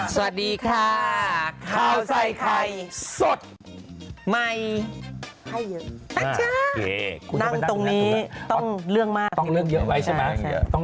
สวัสดีค่ะข้าวใส่ไข่สดใหม่ให้เยอะนั่งตรงนี้ต้องเลื่องมาก